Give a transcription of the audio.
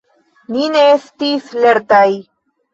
Ni ne estis lertaj.